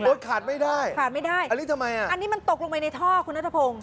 ขาดไม่ได้ขาดไม่ได้อันนี้ทำไมอ่ะอันนี้มันตกลงไปในท่อคุณนัทพงศ์